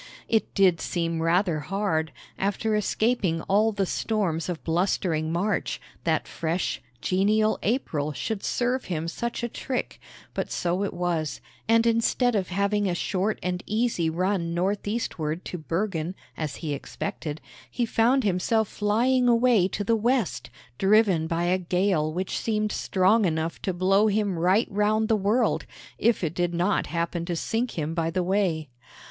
It did seem rather hard, after escaping all the storms of blustering March, that fresh, genial April should serve him such a trick; but so it was, and instead of having a short and easy run northeastward to Bergen, as he expected, he found himself flying away to the west, driven by a gale which seemed strong enough to blow him right round the world, if it did not happen to sink him by the way.